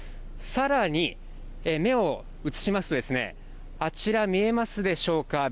さらに目を移しますとですね、あちら見えますでしょうか